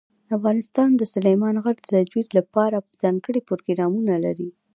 افغانستان د سلیمان غر د ترویج لپاره ځانګړي پروګرامونه لري.